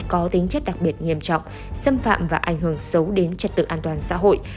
có tính chất đặc biệt nghiêm trọng xâm phạm và ảnh hưởng xấu đến trật tự an toàn xã hội